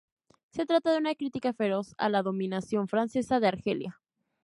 Se trata de una crítica feroz a la dominación francesa de Argelia.